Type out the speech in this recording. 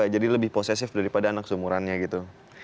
jadi lebih posesif daripada anak seumurannya gitu